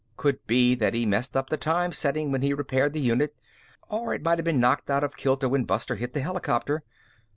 Could be that he messed up the time setting when he repaired the unit or it might have been knocked out of kilter when Buster hit the helicopter.